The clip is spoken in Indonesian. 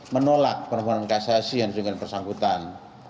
menolak pemerintahan kasasi yang disediakan persangkutan